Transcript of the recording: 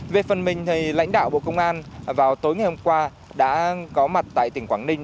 về phần mình lãnh đạo bộ công an vào tối ngày hôm qua đã có mặt tại tỉnh quảng ninh